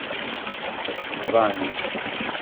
Bḍan.